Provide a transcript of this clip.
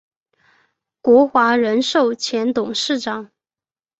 国华人寿前董事长。